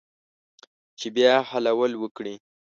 چې بیا حلول وکړي